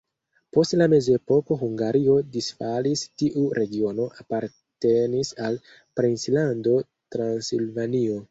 Post la mezepoko Hungario disfalis, tiu regiono apartenis al princlando Transilvanio.